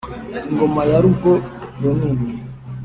Ingoma ya Rugo-runini